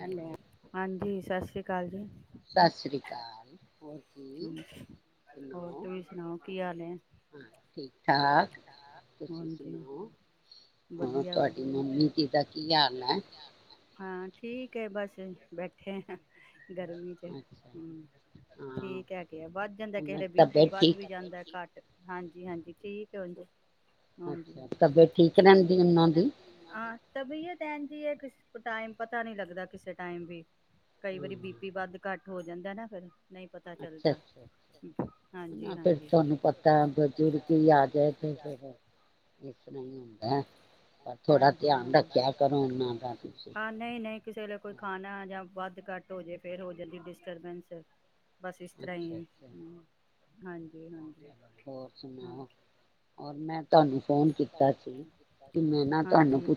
Hello ਸਤਿ ਸ਼੍ਰੀ ਅਕਾਲ ਹੋ ਸੁਣਾਓ ਹਾਂ ਠੀਕ ਠਾਕ ਤੁਸੀਂ ਸੁਣਾਓ ਹੋਰ ਤੁਹਾਡੀ ਮੰਮੀ ਜੀ ਦਾ ਕੀ ਹਾਲ ਏ। ਤੇ ਬਸ ਬੈਠੇ ਗਰਮੀ ਚ ਹੁ ਠੀਕ ਕਹਿ ਕੇ ਆ ਵੱਧ ਜਾਂਦਾ ਕਿਸੇ ਦੇ ਬੀ ਪੀ ਵੱਧ ਵੀ ਜਾਂਦਾ ਘੱਟ ਹਾਂਜੀ ਹਾਂਜੀ ਠੀਕ ਏ ਹਾਂਜੀ ਤਬੀਅਤ ਏਨਜ ਈ ਏ ਟਾਈਮ ਪਤਾ ਨੀ ਲੱਗਦਾ ਕਿਸੇ ਟਾਈਮ ਵੀ ਕਈ ਵਾਰੀ ਬੀ ਪੀ ਵੱਧ ਘੱਟ ਹੋ ਜਾਂਦਾ ਨਾ ਫੇਿਰ ਨਹੀਂ ਪਤਾ ਚੱਲਦਾ ਹਾਂਜੀ ਹਾਂਜੀ ਹਾਂਜੀ ਹੁ ਹਾਂ ਨਹੀਂ ਨਹੀਂ ਕਿਸੇ ਵਲੇ ਕੋਈ ਖਾਣਾ ਜਾਂ ਵੱਧ ਘਟ ਹੋ ਜੇ ਫੇਰ ਹੋ ਜਾਂਦੀ ਡਿਸਟਰਬੈਂਸ ਬਸ ਇਸ ਤਰ੍ਹਾਂ ਹੀ ਏ ਹਾਂਜੀ ਹੋਰ ਸੁਣਾਓ ਹੋਰ ਮੈਂ ਧੰਨ ਹਜੀਜੀ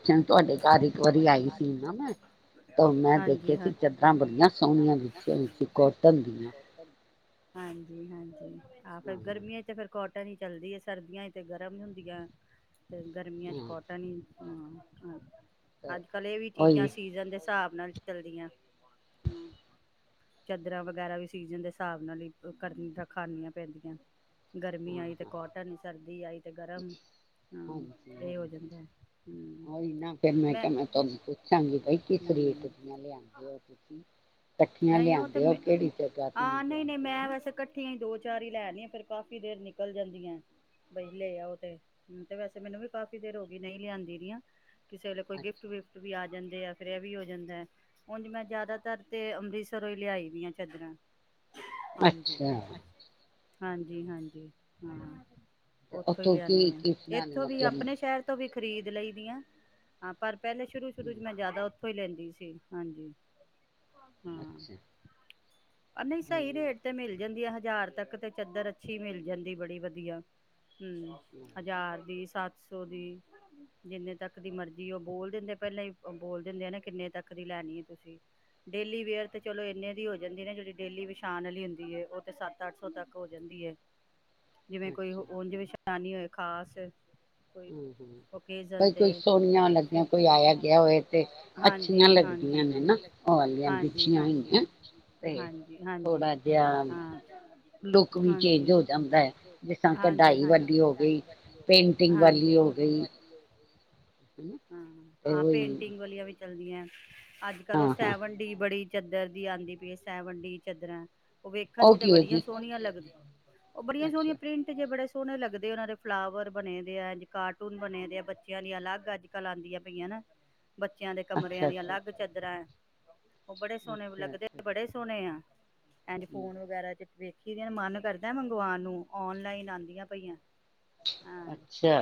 ਹਾਂਜੀ ਹਾਂਜੀ ਆਹ ਫਰ ਗਰਮੀਆਂ ਚ ਫਿਰ ਕੋਟ ਟ ਨ ਚੱਲਦੀ ਸਰਦੀਆਂ ਹੀ ਤੇ ਗਰਮ ਹੀ ਹੁੰਦੀਆਂ ਗਰਮੀਆਂ ਚ ਕੌਟਨ ਦੀ ਅੱਜ ਕਲ ਇਹ ਵੀ ਚੀਜ਼ਾਂ ਸੀਜਨ ਦੇ ਹਿਸਾਬ ਨਾਲ ਚੱਲਦੀਆਂ ਹਮ ਚਾਦਰਾਂ ਵਗੈਰਾ ਵੀ ਸੀਜਨ ਦੇ ਹਿਸਾਬ ਨਾਲ ਹੀ ਕਰਨ ਰਖਾਨੀਆਂ ਪੈਂਦੀਆਂ ਗਰਮੀ ਆਈ ਤੇ ਕੋਟਨ ਸਰਦੀ ਆਈ ਤੇ ਗਰਮ ਹਾਂਜੀ ਹਾਂਜੀ ਉਹੀ ਨਾ ਫਿਰ ਮੈਂ ਕਿਹਾ ਮੈਂ ਤੁਹਾਨੂੰ ਪੁੱਛਾਂਗੀ ਬਾਈ ਕਿਸ ਰੇਟ ਦੀ ਮੈਂ ਲਿਆਦੇ ਹੋ ਤੁਸੀਂ ਨਹੀਂ ਉਹ ਤੇ ਮੈਂ ਹਾਂ ਨਹੀਂ ਨਹੀਂ ਮੈਂ ਵੈਸੇ ਇਕੱਠੀਆਂਈ ਦੋ ਚਾਰ ਲੈ ਆ ਧੀਆ ਫਿਰ ਕਾਫੀ ਦੇਰ ਨਿਕਲ ਜਾਂਦੀਆਂ ਬਈ ਲੈ ਆਓ ਤੇ ਵੈਸੇ ਮੈਨੂੰ ਵੀ ਕਾਫੀ ਦੇਰ ਹੋ ਗਈ ਨਹੀਂ ਲਿਆਂਦੀ ਦੀਆਂ ਕਿਸੇ ਵੇਲੇ ਕੋਈ ਗਿਫਟਿਫਟ ਵੀ ਆ ਜਾ ਜਾਂਦੇ ਆ ਫਿਰ ਇਹ ਵੀ ਹੋ ਜਾਂਦਾ ਹੁਣ ਜਿਵੇੈਂ ਜਿਆਦਾਤਰ ਤੇ ਅੰਮ੍ਰਿਤਸਰੋਂ ਲਿਆਈ ਦੀਆਂ ਚਾਦਰਰਾਂ ਹਾਂਜੀ ਹਾਂਜੀ ਹਾਂਜੀ ਹਾਂ ਉੱਥੋਂ ਹੀ ਲਿਆਦੇ ਹਾਂ ਇੱਥੋਂ ਵੀ ਆਪਣੇ ਸ਼ਹਿਰ ਤੋਂ ਵੀ ਖ਼ਰੀਦ ਲਈ ਦੀਆਂ ਪਰ ਪਹਿਲੇ ਸ਼ੁਰ ਸ਼ੁਰੂ ਚ ਮੈਂ ਜ਼ਿਆਦਾ ਇਥੋਂ ਈ ਲੈਂਦੀ ਸੀ ਹਾਂਜੀ ਅੱਛਾ ਨਹੀਂ ਸਹੀ ਰੇਟ ਤੇ ਮਿਲ ਜਾਂਦੀਆਂ ਹਜ਼ਾਰ ਤੱਕ ਤੇ ਚਾਦਰ ਅੱਛੀ ਮਿਲ ਜਾਂਦੀ ਬੜੀ ਵਧੀਆ ਹੂੰ ਹਜ਼ਾਰ ਦੀ ਸੱਤ ਦੋ ਦੀ ਜਿੰਨੇ ਤੱਕ ਦੀ ਮਰਜ਼ੀ ਉਹ ਬੋਲ ਦਿੰਦੇ ਪਹਿਲਾਂ ਹੀ ਬੋਲ ਦਿੰਦੇ ਆ ਨਾ ਕਿੰਨੇ ਤੱਕ ਦੀ ਲੈਣੀ ਹੈ ਤੁਸੀਂ ਡੇਲੀ ਵੇਅਰ ਤਾਂ ਚਲੋ ਇੰਨੇ ਦੀ ਹੋ ਜਾਂਦੀ ਨਾ ਜਿਹੜੀ ਡੇਲੀ ਵਿਛਾਉਣ ਵਾਲੀ ਹੁੰਦੀ ਹੈ ਉਹ ਤਾਂ ਸੱਤ ਅੱਠ ਸੌ ਤੱਕ ਹੋ ਜਾਂਦੀ ਹੈ ਜਿਵੇਂ ਕੋਈ ਜਿਵੇਂ ਉਹ ਹੋਏ ਖਾਸ ਹਮ ਹਮ ਬਈ ਕੋਈ ਸੋਹਣੀਆਂ ਲੱਗੀਆਂ ਕੋਈ ਆਇਆ ਗਿਆ ਹੋਵੇ ਤੇ ਅੱਛੀਆਂ ਲੱਗਦੀਆਂ ਨੇ ਨਾ ਉਹ ਵਾਲ ਹਾਂਜੀ ਹਾਂਜੀ ਹਾਂਜੀ ਹਾਂਜੀ ਹਾਂ ਹਾਂਜੀ ਹਾਂਜੀ ਹਾਂਜੀ ਹਾਂਜੀ ਹਾਂ ਆਹ ਪੇਂਟਿੰਗ ਵਾਲੀਆਂ ਵਿੱਚ ਚਲਦੀ ਐ ਅੱਜ ਕਰੋ ਸੈਵਨ ਡੀ ਬੜੀ ਚਾਦਰ ਦੀ ਆਂਦੀ ਪਈ ਏ ਸੈਵਨ ਸਹਿਵੰਡੀ ਚਾਦਰਰਾਂ ਉਹ ਵੇਖਣ ਚ ਤਾਂ ਬੜੀਆਂ ਸੋਹਣੀਆਂ ਲੱਗਦੀਆਂ ਉਹ ਬੜੀਆਂ ਸੋਹਣੀਆਂ ਪ੍ਰਿੰਟ ਜੇ ਬੜੇ ਸੋਹਣੇ ਲੱਗਦੇ ਉਹਨਾਂ ਦੇ ਫਲਾਵਰ ਬਣੇ ਦੇ ਆ ਕਾਰਟੂਨ ਬਣੇ ਦੇ ਆ ਬੱਚਿਆਂ ਦੀ ਅਲੱਗ ਅੱਜ ਕੱਲ੍ਹ ਆਉਂਦੀਆਂ ਪਈਆਂ ਨਾ ਬੱਚਿਆਂ ਦੇ ਕਮਰਿਆਂ ਦੀਆਂ ਅਲੱਗ ਚਦਰਾਂ ਹੈ ਉਹ ਬੜੇ ਸੋਹਣੇ ਲੱਗਦੇ ਬੜੇ ਸੋਹਣੇ ਆ ਐਂਡੀ ਫੋਨ ਵਗੈਰਾ ਜਿੱਤ ਵੇ ਜੀ ਮੇਰਾ ਮਨ ਕਰਦਾ ਮੰਗਵਾਉਣ ਨੂੰ ਔਨਲਾਈਨ ਆਉਂਦੀਆਂ ਪਈਆਂ ਅੱਛਾ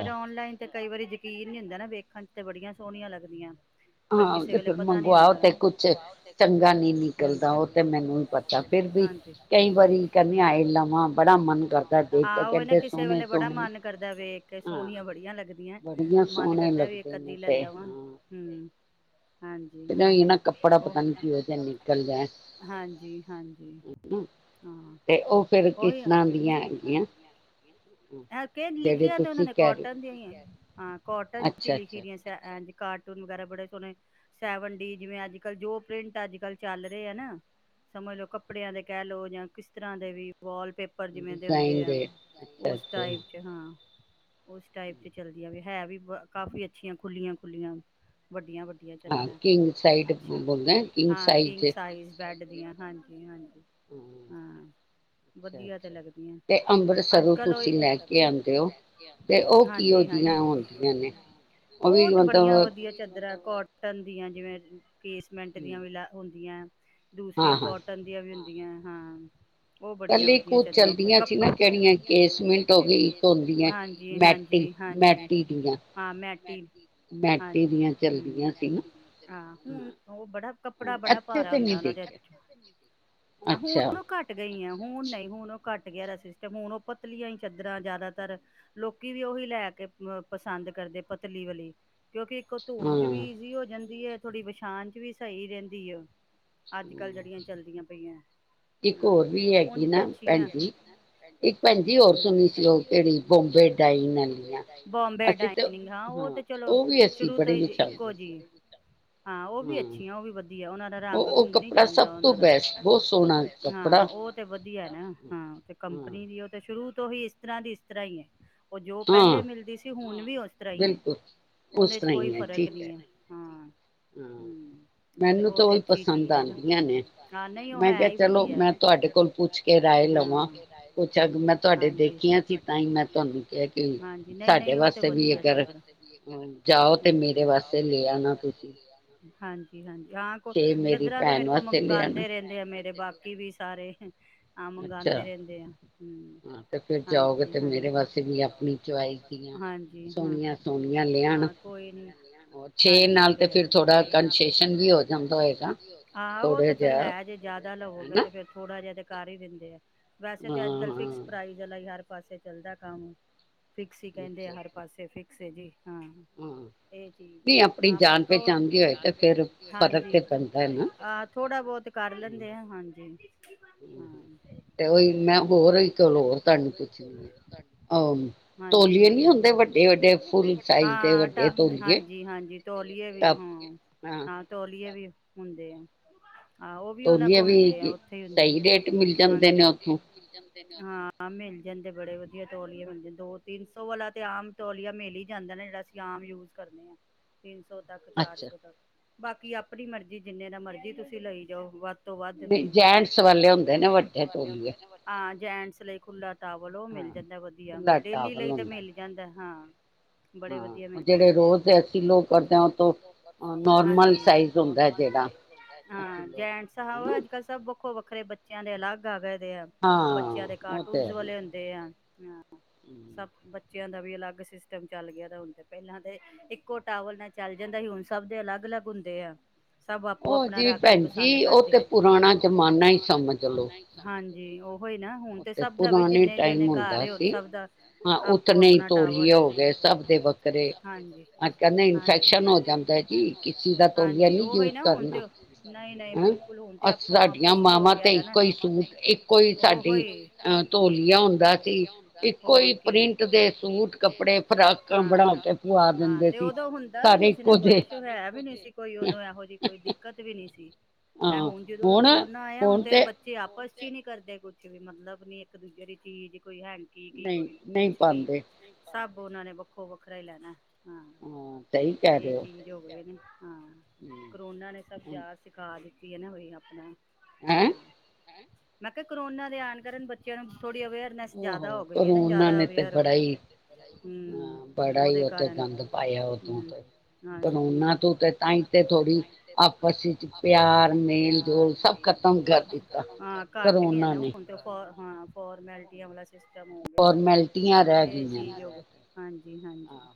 ਤੇ ਕਈ ਵਾਰੀ ਯਕੀਨ ਨਹੀਂ ਹੁੰਦਾ ਨਾ, ਵੇਖਣ ਚ ਤੇ ਬੜੀਆਂ ਸੋਹਣੀਆਂ ਲੱਗਦੀਆਂ ਹਾਂ ਤੇ ਫਿਰ ਮੰਗਵਾਓ ਤੇ ਕੁਛ ਹਜੀ ਹਾਂ ਨਾ ਕਿਸੇ ਵੇਲੇ ਬੜਾ ਮਨ ਕਰਦਾ ਵੇ ਸੋਹਣੀਆਂ ਬੜੀਆਂ ਲੱਗਦੀਆਂ ਮਨ ਕਰਦਾ ਵੀ ਇੱਕ ਅੱਧੀ ਲੈ ਲਵਾਂ ਹਮ ਪਤਾ ਨਹੀ ਨਾ ਕੱਪੜਾ ਪਤਾ ਨੀ ਕੀ ਹੋਇਗਾ ਹਾਂਜੀ-ਹਾਂਜੀ ਹਾਂ ਉਹੀ ਲਿਖਿਆ ਤੇ ਉਹਨਾਂ ਨੇ ਕੋਟਨ ਦੀ ਹਾਂ ਕੋਟਨ ਚ ਲਿਖੀ ਦੀ ਕਾਰਟੂਨ ਵਗੈਰਾ ਬੜੇ ਸੋਹਣੇ ਸੈਵਨ ਡੀ ਜਿਵੇਂ ਅੱਜ-ਕੱਲ੍ਹ ਜੋ ਪ੍ਰਿੰਟ ਅੱਜ-ਕੱਲ ਚੱਲ ਰਹੇ ਆ ਨਾ ਸਮਝ ਲੋਓ ਕੱਪੜਿਆਂ ਦੇ ਕਹਿ ਲੋਓ, ਜਾਂ ਕਿਸ ਤਰ੍ਹਾਂ ਦੇ ਵੀ ਵਾਲਪੇਪਰ ਜਿਵੇਂ ਦੇ ਹੁੰਦੇ ਆ ਉਸ ਟਾਈਪ ਚ ਹਾਂ। ਉਸ ਟਾਈਪ ਤੇ ਚੱਲਦੀਆਂ ਵੀ ਹੈ ਵੀ ਕਾਫੀ ਅੱਛੀਆਂ ਖੁੱਲੀਆਂ-ਖੁੱਲੀਆਂ ਵੱਡਿ ਵੱਡੀਆਂ-ਵੱਡੀਆਂ ਚਦਰਾਂ ਅੱਛੀ ਹਾਂ ਕਿੰਗ ਸਾਈਜ਼ ਬੈਡ ਹਾਂਜੀ-ਹਾਂਜੀ। ਹਾਂ ਵਧੀਆ ਤੇ ਲੱਗਦੀਆਂ ਅੱਜ ਕੱਲ ਉਹ ਹਾਂਜੀ ਹਾਂਜੀ ਉਹ ਤੇ ਬੜੀਆਂ ਵਧੀਆ ਚਦਰਾਂ ਕੋ- ਕੋਟਨ ਦੀਆਂ ਜਿਵੇਂ ਕਿ ਮੈਂਟ ਦੀਆਂ ਵੀ ਲਾ ਹੁੰਦੀਆਂ ਦੂਸਰੀਆਂ ਕੋਟਨ ਦੀਆਂ ਵੀ ਹੁੰਦੀਆ ਹਾਂ, ਉਹ ਬੜੀਆਂ ਵਧੀਆ ਚਾਦਰਾਂ ਕੱਪੜਾ ਹਾਂਜੀ ਹਾਂਜੀ ਹਾਂਜੀ ਮੈਟੀ ਮੇਟੀ ਦੀਆਂ ਚੱਲਦੀਆਂ ਸੀ ਨਾ ਉਹ ਬੜਾ ਕੱਪੜਾ ਬੜਾ ਭਾਰਾ ਹੁੰਦਾ ਉਹਨਾਂ ਦੇ ਹੁਣ ਉਹ ਘੱਟ ਗਈਆ ਹੁਣ ਨਹੀਂ ਹੁਣ ਉਹ ਘੱਟ ਗਿਆ ਸਿਸਟਮ ਹੁਣ ਉਹ ਪਤਲੀਆਂ ਹੀ ਚਾਦਰਾਂ ਜ਼ਿਆਦਾਤਰ ਲੋਕੀ ਵੀ ਉਹੀ ਲੈਕੇ ਪਸੰਦ ਕਰਦੇ ਪਤਲੀ ਵਾਲੀ ਕਿਉਂਕਿ ਇੱਕ ਧੋਣ ਚ ਵੀ ਈਜ਼ੀ ਹੋ ਜਾਂਦੀ ਹੈ। ਥੋੜੀ ਵਿਛਾਣ ਵੀ ਸਹੀ ਰਹਿੰਦੀ ਐ। ਅੱਜ ਕੱਲ ਜਿਹੜੀਆਂ ਚੱਲਦੀਆਂ ਪਈਆਂ ਹਾਂ ਉਂਝ ਤੇ ਅੱਛੀਆਂ ਹੈ, ਬੋਮਬੇ ਡਾਇਨਿੰਗ ਹਾਂ ਉਹ ਤੇ ਚਲੋ ਸ਼ੁਰੂ ਤੋਂ ਹੀ ਇੱਕੋ ਜੀ। ਹੂੰ, ਅੱਛੀਆਂ ਉਹ ਵੀ ਵਧੀਆ ਉਹਨਾ ਦਾ ਰੰਗ ਰੂੰਗ ਨੀ ਜਾਂਦਾ ਉਹਨਾਂ, ਹਾਂ ਉਹ ਤੇ ਵਧੀਆ ਨਾ ਹਾਂ ਤੇ ਕੰਪਨੀ ਦੀ ਉਹ ਤੇ ਸ਼ੁਰੂ ਤੋਂ ਹੀ ਇਸ ਤਰ੍ਹਾਂ ਦੀ ਇਸ ਤਰ੍ਹਾਂ ਹੀ ਹੈ। ਉਹ ਜੋ ਪਹਿਲੇ ਮਿਲਦੀ ਸੀ ਹੁਣ ਵੀ ਉਸ ਤਰ੍ਹਾਂ ਹੀ ਹੈ, ਉਹਨੇ ਚ ਕੋਈ ਫ਼ਰਕ ਨਹੀਂ ਹੈ ਹਾਂ [inaudible] ਉਹ ਉਹ ਤੇ ਅੱਛੀ ਚੀਜ਼ ਨੂੰ ਨਾ ਨਹੀਂ ਉਹ ਹੈ ਹੀ ਵਧੀਆ ਹਾਂਜੀ ਨਹੀਂ ਨਹੀਂ ਉਹ ਤੇ ਵਧੀਆ ਹਾਂਜੀ, ਜੀ ਹਾਂਜੀ, ਜਾਂ ਕੋ ਚਾਦਰਾਂ ਤੇ ਮੇਰੇ ਕੋਲ ਮੰਗਵਾਦੇ ਰਹਿੰਦੇ ਆ ਮੇਰੇ ਬਾਕੀ ਵੀ ਸਾਰੇ, ਹਾਂ ਮੰਗਵਾਉਂਦੇ ਰਹਿੰਦੇ ਆ ਹੂੰ ਹਾਂਜੀ ਹਾਂਜੀ ਹਾਂਜੀ ਹਾਂ ਹਾਂ ਕੋਈ ਨੀ ਹਾਂਜੀ ਲੈ ਆਵਾਂਗੇ ਕੋਈ ਹਾਂ ਉਹ ਤੇ ਫਿਰ ਹੈ ਜੇ ਜਿਆਦਾ ਲਵੋਗੇ ਤੇ ਫਿਰ ਥੋੜਾ, ਦੇ ਕਰ ਹੀ ਦਿੰਦੇ ਆ। ਵੈਸੇ ਤੇ ਅੱਜ ਕੱਲ ਫਿਕਸ ਪ੍ਰਾਈਜ਼ ਆਲਾ ਹੀ ਹ ਪਾਸੇ ਚੱਲਦਾ ਕੰਮ, ਫਿਕਸ ਹੀ ਕਹਿੰਦੇ ਆ ਹਰ ਪਾਸੇ ਫਿ ਸੇ ਵੀ, ਹਾਂ ਨਹੀਂ ਆਪਣੀ ਜਾਨ ਪਹਿਚਾਣਦੀ ਹੋਏ ਤੇ ਫੇਰ, ਹਾਂਜੀ ਆਹ ਥੋੜਾ ਬਹੁਤ ਕਰ ਲੈਂਦੇ ਆ ਹਾਂਜੀ, ਤੇ ਉਹੀ ਮੈਂ ਹੋਰ ਕੋਲ ਹੋਰ ਤੁਹਾਨੂੰ ਪੁੱਛਣੀ ਆ ਅਹ ਤੋਲੀਏ ਨੀ ਹੁੰਦੇ ਵੱਡੇ ਵੱਡੇ ਫੁੱਲ ਸਾਈਜ਼ ਦੇ ਵੱਡੇ ਤੋਲੀਏ। ਹਾਂ ਤੋਲੀਏ ਵੀ, ਹੁੰਦੇ ਆ। ਆਂ ਉਹ ਵੀ ਉਹਨਾ ਕੋਲ ਹੁੰਦੇ ਆ ਉੱਥੇ ਹੁੰਦੇ ਆਂ ਹਾਂਜੀ ਹਾਂ ਮਿਲ ਜਾਂਦੇ ਬੜੇ ਵਧੀਆ ਤੋਲੀਏ ਮਿਲ ਜਾਂ ਦੋ ਤਿੰਨ ਸੋ ਵਾਲਾ ਤੇ ਆਮ ਤੋਲੀਆ ਮਿਲ ਹੀ ਜਾਂਦਾ ਨਾ ਜਿੜਾ ਅਸੀਂ ਆਮ ਯੂਜ ਕਰਦੇ ਆ ਤਨ ਸ ਸੌ ਤੱਕ ਚਾਰ ਸੌ ਤੱਕ ਬਾਕੀ ਆਪਣੀ ਮਰਜੀ, ਜਿੰਨੇ ਦਾ ਮਰਜੀ ਤੁਸੀਂ ਲਈ ਜਾਓ ਵੱਧ ਵੱਧ ਪੀਸ ਏ ਜੇੰਟ੍ਸ ਵਾਲੇ ਹੁੰਦੇ ਨੇ ਵੱਡੇ ਟਾਵਲ, ਹਾ ਜੈਂਟਸ ਲਈ ਖੁਲਾ ਟਵਲ ਉਹ ਮਿਲ ਜਾਂਦਾ ਵਧੀਆ ਡੇਲੀ ਲਈ ਤੇ ਮਿਲ ਜਾਂਦਾ ਹਾਂ ਬੜੇ ਵਧੀਆ ਮਿਲਣ ਜਾਂਦੇ ਆ ਹਾਂਜੀ ਹਾਂ ਜੈਂਟਸ ਅੱਜ ਕਲ ਸਬ ਵੱਖੋ ਵੱਖਰੇ ਤੇ ਬੱਚਿਆਂ ਦੇ ਅਲੱਗ ਆ ਗਏ ਬੱਚਿਆਂ ਦੇ ਕਾਰਟੂਨ ਵਾਲੇ ਹੁੰਦੇ ਆ ਹਾਂ [inaudible] ਸਭ ਬੱਚੇ ਬੱਚਿਆਂ ਦਾ ਵੀ ਅਲੱਗ ਸਿਸਟਮ ਚੱਲ ਗਿਆ ਹੁਣ ਤੇ ਪਹਿਲਾਂ ਤੇ ਇੱਕੋ ਟਾਵਲ ਨਾਲ ਚੱਲ ਜਾਂਦਾ ਸੀ ਹੁਣ ਸਭ ਦੇ ਅਲੱਗ ਅਲੱਗ ਹੁੰਦੇ ਆ ਸਬ ਆਪੋ ਆਪਣਾ ਰੱਖ ਕੇ ਪਸੰਦ ਕਰਦੇ ਹਾਂਜੀ ਜੀ ਉਹ ਔਹੀ ਨਾ ਹੁਣ ਤੇ ਸਭ ਦਾ ਵੀ ਜਿੰਨੇ ਜਿੰਨੇ ਘਰ ੁ ਸਭ ਦਾ ਆਪੋ ਆਪਣਾ ਟਾਵਲ ਹੈ ਹਾਂਜੀ ਹਾਂਜੀ ਹਾਂਜੀ ਹਾਂਜੀ ਉਹ ਹੀ ਨਾ ਹੁਣ ਤੇ ਨਹੀਂ ਨਹੀਂ ਬਿਲਕੁਲ ਹੁਣ ਤੇ ਆਪ ਆਪਸ ਚ ਹੋ ਗਿਆ ਦਾ ਨਾ ਔਹੋ ਹੀ, ਹੋਰ ਕੀ, ਹਾਂ ਹਾਂ ਤੇ ਦੋਂ ਹੁੰਦਾ ਵੀ ਨੀ ਸੀ ਨਾ ਕੁਛ ਹੈ ਵੀ ਨਹੀਂ ਸੀ ਕੋਈ ਉਦੋਂ ਇਹੋ ਜਿਹੀ ਕੋਈ ਦਿੱਕਤ ਵੀ ਨਹੀਂ ਸੀ ਇਹ ਹੁਣ ਜਦੋਂ ਦਾ ਕਰੋਨਾ ਆਇਆ ਹੁਣ ਤੇ ਬੱਚੇ ਆਪ ਬੰਚੇ ਨੀ ਕਰਦੇ ਕੁਛ ਵੀ ਮਤਲਬ ਨੀ ਇੱਕ ਦੂਜੇ ਦੀ ਚੀਜ਼ ਕੋਈ ਹੰਕੀ ਨੀ, ਕੋਈ ਕੁਛ ਨਹੀ ਸਭ ਉਹਨਾ ਨੇ ਵੱਖੋ ਵੱਖਰਾ ਹੀ ਲੈਣਾ ਹਾਂ ਸਹੀ ਕਹਿ ਰਹੇ ਹੋ [inaudible] ਹਾਂ ਕਰੋਨਾ ਨੇ ਸਭ ਜ਼ਿਆਦਾ ਸਿਖਾ ਦਿੱਤਾ ਕੀ ਹੈ ਨਾ ਬਾਈ ਆਪਣਾ ਹੈਂ ਮੈਂ ਕਿਹਾ ਕਰੋਨਾ ਦੇ ਆਉਣ ਕਾਰਨ ਬੱਚਿਆਂ ਨੂੰ ਥੋੜੀ ਅਵੇਅਰਨੈਸ ਜਿਆਦਾ ਹੋ ਗਈ ਹੈ ਨਾ ਜਿਆਦਾ ਅਵੇਅਰ ਹੋ ਹਮ ਉਹਦੇ ਕਾਰਨ ਹਮ ਹਾਂਜੀ ਹਾਂ ਘੱਟ ਗਿਆ ਨਾ ਹੁਣ ਤੇ ਹਾਂ ਫੋਰਮੈਲਿਟੀਆਂ ਵਾਲਾ ਹੋਗ ਚ ਹਾਂਜੀ ਹਾਂਜੀ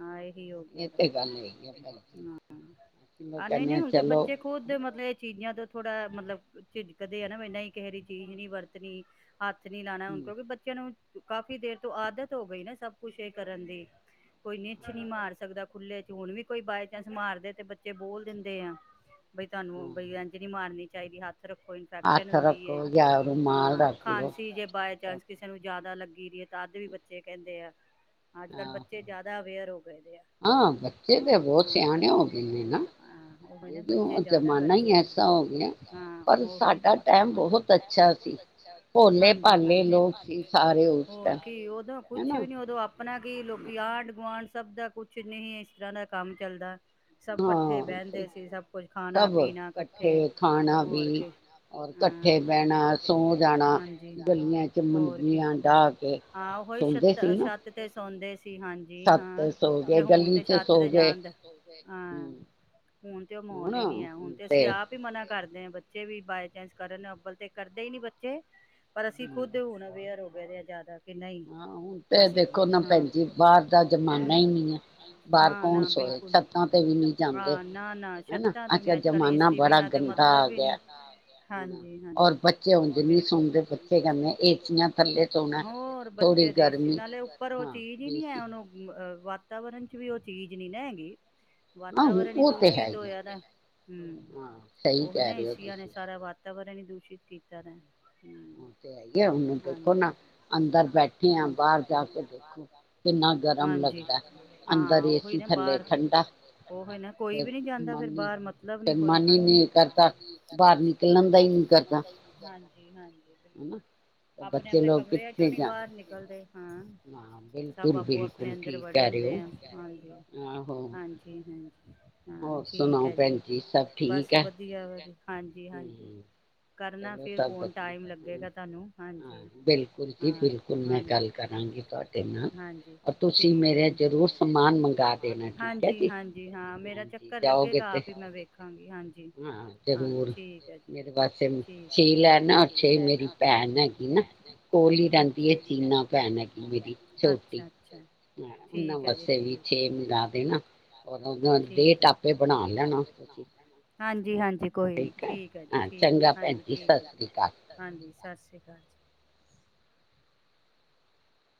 ਹਾਂ ਇਹੀ ਹੋਗ ਆ ਨਹੀਂ ਨਹੀਂ ਹੁਣ ਤੇ ਬੱਚੇ ਖੁੱਦ ਮਤਲਬ ਇਹ ਚੀਜ਼ਾਂ ਤੋਂ ਥੋੜ੍ਹਾ ਮਤਲਬ ਝਜਕਦੇ ਹਨ ਨਾ ਇੰਨਾ ਹੀ ਕਿਸਹੇੇਰੀ ਚੀਜ਼ ਨੀ ਵਰਤਣੀ ਹੱਥ ਨੀ ਲਾਉਣਾ ਹੁਣ ਕਿਉਂਕਿ ਬੱਚਿਆਂ ਨੂੰ ਕਾਫ਼ੀ ਦੇਰ ਤੋਂ ਆਦਤ ਹੋ ਗਈ ਨਾ ਸਭ ਕੁਛ ਇਹ ਕਰਨ ਦੀ ਕੋਈ ਨਿੱਛ ਨੀ ਮਾਰ ਸਕਦਾ ਖੁੱਲੇ ਚ ਹੁਣ ਵੀ ਕੋਈ ਬਾਏ ਚਾਂਸ ਮਾਰਦੇ ਤੇ ਬੱਚੇ ਬੋਲ ਦਿੰਦੇ ਆ ਬਈ ਤੁਹਾਨੂੰ ਬਈ ਇੰਜ ਨੀ ਮਾਰਨੀ ਚਾਹੀਦੀ ਹੱਥ ਰੱਖੋ ਇਨਫੈਕਸ਼ਨ ਹੁੰਦੀ ਹਾਂ ਖਾਂਸੀ ਜੇ ਬਾਏ ਚਾਂਸ ਕਿਸੇ ਨੂੰ ਜਿਆਦਾ ਲ ਗਰੀ ਹੈ ਤ ਅਦ ਵੀ ਬੱਚੇ ਕਹਿੰਦੇ ਆ ਅੱਜ ਕੱਲ੍ਹ ਬੱਚੇ ਜ਼ਿਆਦਾ ਅਵੇਅਰ ਹੋ ਗਏ ਦੇ ਆ ਹਮ ਇਹ ਤਾਂ ਬਹੁਤ ਸਿਆਣੇ ਹੋ ਗਏ ਨੇ ਨਾ ਜਿ ਜ਼ਮਾਨਾ ਹੀ ਐਸਾ ਹੋ ਗਿਆ ਪਰ ਸਾਡਾ ਟਾਈਮ ਬਹੁਤ ਅੱਛਾ ਸੀ ਭੋਲੇ ਭਾਲੇ ਲੋਕ ਸੀ ਸਾਰੇ ਉਸ ਟਾਈਮ ਹਨਾ ਲੋਕੀ ਆਢ ਗੁਆਂਢ ਸਭ ਦਾ ਕੁਛ ਨਹੀਂ ਇਸ ਤਰ੍ਹਾਂ ਦਾ ਕੰਮ ਚੱਲਦਾ ਸਭ ਕੱਠੇ ਬਹਿੰਦੇ ਸੀ ਸਭ ਕੁਝ ਖਾਣਾ ਪੀਣਾ ਕੱਠੇ ਹੋਰ ਕੀ ਹਮ ਹਾਂਜੀ ਹੋਰ ਕੀ ਹਾਂ ਹੀ ਛੱਤ ਛੱਤ ਤੇ ਸੌਂਦੇ ਸੀ ਹਾਂਜੀ ਹਾਂ ਤੇ ਹੁਣ ਛੱਤ ਤੇ ਜਾਣ ਦਾ ਹਾਂ ਹੁਣ ਤੇ ਉਹ ਮਾਹਲ ਹੀ ਨੀ ਹੈ। ਹੁਣ ਤੇ ਅਸੀਂ ਆਪ ਹੀ ਮਨਾ ਕਰਦੇ ਹ। ਬੱਚੇ ਵੀ ਬਾਏ ਚਾਂਸ ਕਰਨ ਅੰਬਲ ਤੇ ਕਰਦੇ ਹੀ ਨੀ ਬੱਚੇ। [inaudible] ਵਧ ਜ਼ਿਆਦਾ। ਹਾਂ ਹੁਣ ਤੇ ਦੇਖੋ ਨਾ ਭੈਣਜੀ ਬਾਹਰ ਦਾ ਜ਼ਮਾਨਾ ਹੀ ਨਹੀਂੀ ਆ। ਨਾ- ਨਾ ਬਿਲਕੁਲ ਨ ਹਾਂ ਨਾ -ਨਾ ਛੱਤਾਂ ਤੇ ਵੀ ਨ ਅੱਜ ਕਲ ਏਸੀ ਬਿਨਾਂ ਤੇ ਮਤਲਬ ਹੀ ਨੀ ਹਾਂਜੀ ਹਾਂਜੀ ਬਿਲਕੁਲ ਹੋਰ। ਉੇ ਦੇਸੀ ਨਾਲੇ ਉੱਪਰ ਉਹ ਚੀਜ਼ ਹੀ ਨੀ ਹੈ ਉਹਨੂੰ। ਵੱ। ਵਾਤਾਵਰਨ ਚ ਵੀ ਉਹ ਚੀਜ਼ ਨਹੀਂ ਨਾ ਹੈਗੀ। ਵਾਤਾਵਰਨ ਹੀ ਦੂਸ਼ਿਤ ਹੋਇਆ ਨਾ ਹਮ ਉਹਹੀ ਨਾ ਏਸਆ ਨੇ ਸਾਰਾ ਵਾ। ਵਾਤਾਵਰਨ ਹੀ ਦੂਸ਼ਿਤ ਕੀਤਾ ਦ। ਉਹ ਤੇ ਆਈ ਆ ਉਹਨੂੰ ਦੇਖੋ ਨਾ ਅੰਦਰ ਬੈਠੇ ਆ ਬਾਹਰ ਜਾ ਕੇ ਦੇਖੋ ਕਿੰਨਾ ਗਰਮ ਲੱਗਦਾ। ਹਾਂ ਉਹੀ ਨਾ ਬਾਹਰ ਨਾ ਕੋਈ ਵੀ ਨੀ ਜਾਂਦਾ ਫਿਰ ਬਾਹਰ ਮਤਲਬ ਨੀ ਕੋਈ ਹਾਂਜੀ ਹ ਹਾਂਜੀ ਹਾਂਜੀ। ਬਿਲਕੁਲ ਆਪਣੇ ਆਪਣੇ ਕਮਰਿਆਂ ਚੋਂ ਨੀ ਬਾਹਰ ਨਿਕਲਦੇ। ਹਾਂ ਬਿਲਕੁਲ- ਬਿਲਕੁਲ ਠੀਕ। ਲੈਣ ਦੇਣ ਹੁੰਦੇ ਆ ਹਾਂਜੀ - ਹਾਂਜੀ। ਹੋਰ ਸੁਣਾਓ ਭੈਣ ਜੀ ਸਭ ਠੀਕ ਹੈ? ਹਮ ਚਲੋ ਤਾਂ ਵਧੀਆ ਹਾਂ ਬਿਲਕੁਲ ਜੀ ਬਿਲਕੁਲ ਮੈਂ ਗੱਲ ਕਰਾਂਗੀ ਤੁਹਾਡੇ ਨਾਲ। ਠੀਕ ਹੈ ਜੀ ਹਾਂਜੀ -ਹਾਂਜੀ ਹਾਂ ਮੇਰਾ ਚੱਕਰ ਲੱਗੇਗਾ ਆਪ ਹੀ ਮੈਂ ਵੇਖਾਂਗੀ ਹਾਂਜੀ ਹਾਂ। ਮੇਰੇ ਪਾਸੇ ਛੇ ਲੈ ਨਾ, ਛੇ ਮੇਰੀ ਭੈਣ ਹੈਗੀ ਨਾ ਕੋਲ ਹੀ ਰਹਿੰਦੀ ਹੈ। ਚੀਨਾ ਭੈਣ ਹੈਗੀ ਮੇਰੀ ਛੋਟੀ। ਉਹਨਾਂ ਵਾਸਤੇ ਵੀ ਛੇ ਮੰਗਵਾ ਦੇ ਨਾ। ਠੀਕ ਹੈ। ਹਾਂਜੀ -ਹਾਂਜੀ ਕੋਈ ਨੀ ਠੀਕ ਹੈ ਜੀ ਠੀਕ ਹਾਂਜੀ ਠੀਕ ਹੈਹਾਂਜੀ। ਸਤਿ ਸ਼੍ਰੀ ਅਕਾਲ ਜੀ।